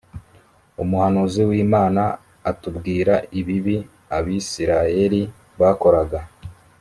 umuhanuzi w imana atubwira ibibi abisirayeli bakoraga